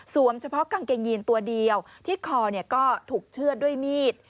เฉพาะกางเกงยีนตัวเดียวที่คอก็ถูกเชื่อดด้วยมีด